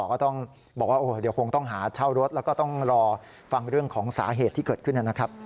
ก็ต้องบอกว่าเดี๋ยวคงต้องหาเช่ารถแล้วก็ต้องรอฟังเรื่องของสาเหตุที่เกิดขึ้นนะครับ